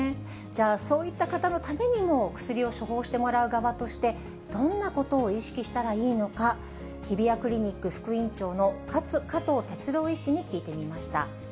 そういった方のためにも、薬を処方してもらう側として、どんなことを意識したらいいのか、日比谷クリニック副院長の加藤哲朗医師に聞いてみました。